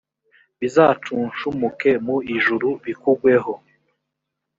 bizacunshumuke mu ijuru bikugweho,